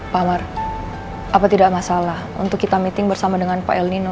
pak amar apa tidak masalah untuk kita meeting bersama dengan pak el nino